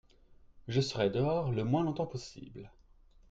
Je serai dehors le moins longtemps possible.